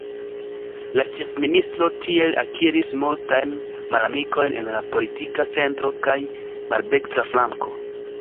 La ĉefministro tiel akiris multajn malamikojn en la politika centro kaj maldekstra flanko.